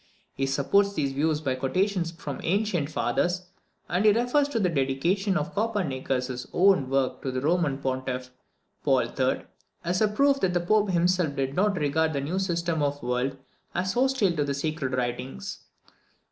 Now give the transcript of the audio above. He supports these views by quotations from the ancient fathers; and he refers to the dedication of Copernicus's own work to the Roman Pontiff, Paul III., as a proof that the Pope himself did not regard the new system of the world as hostile to the sacred writings.